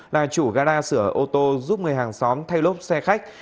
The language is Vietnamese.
là chủ gara sửa ô tô giúp người hàng xóm thay lốp xe khách